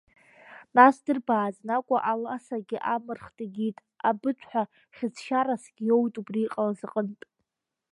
Нас дырбааӡан акәу, аласагьы амырхт, егьит, Абыҭә ҳәа хьыӡшьарасгьы иоуит абри иҟалаз аҟынтә.